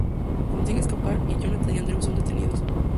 Consigue escapar y Jonathan y Andrew son detenidos.